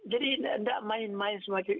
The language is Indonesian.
jadi tidak main main semakin